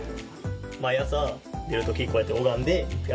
毎朝出る時こうやって拝んで。